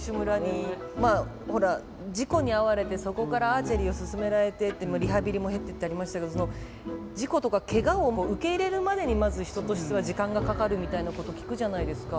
まあほら事故に遭われてそこからアーチェリーを勧められてってリハビリも経てってありましたけど事故とかケガを受け入れるまでにまず人としては時間がかかるみたいなこと聞くじゃないですか。